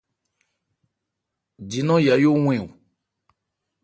Di nɔn Yayó wɛn o.